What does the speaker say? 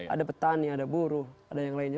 ada petani ada buruh ada yang lainnya